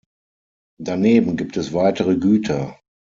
Daneben gibt es weitere Güter.